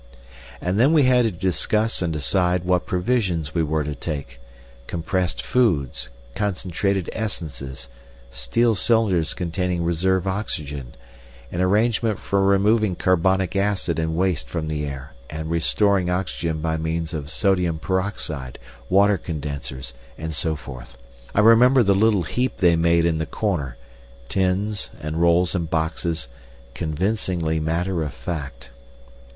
And then we had to discuss and decide what provisions we were to take—compressed foods, concentrated essences, steel cylinders containing reserve oxygen, an arrangement for removing carbonic acid and waste from the air and restoring oxygen by means of sodium peroxide, water condensers, and so forth. I remember the little heap they made in the corner—tins, and rolls, and boxes—convincingly matter of fact.